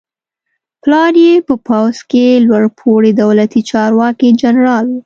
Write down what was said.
پلار یې په پوځ کې لوړ پوړی دولتي چارواکی جنرال و.